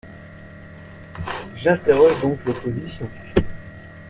J’interroge donc l’opposition.